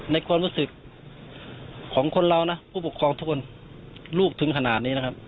ในความรู้สึกของคนเรานะผู้ปกครองทุกคนลูกถึงขนาดนี้นะครับ